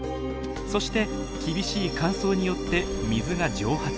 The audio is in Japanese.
そして厳しい乾燥によって水が蒸発。